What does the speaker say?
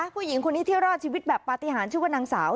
ผู้หญิงคนนี้ที่รอดชีวิตแบบปฏิหารชื่อว่านางสาว